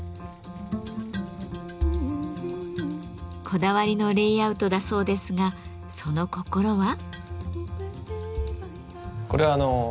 こだわりのレイアウトだそうですがその心は？